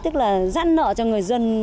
tức là giãn nợ cho người dân